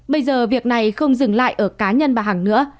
bây giờ việc này không dừng lại ở cá nhân bà hằng nữa